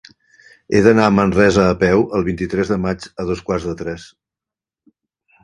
He d'anar a Manresa a peu el vint-i-tres de maig a dos quarts de tres.